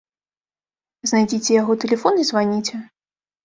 Знайдзіце яго тэлефон і званіце.